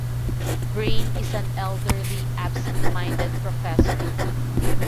Brain is an elderly absentminded professor.